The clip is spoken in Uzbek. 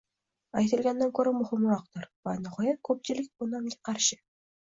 aytilgandan ko‘ra muhimroqdir. Va nihoyat, ko‘pchilik bu nomga qarshi